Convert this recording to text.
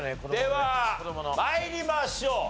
では参りましょう。